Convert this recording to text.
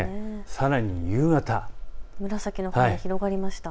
さらに夕方紫の範囲が広がりました。